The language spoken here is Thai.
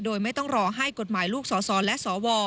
โดยไม่ต้องรอให้กฎหมายลูกสสและสว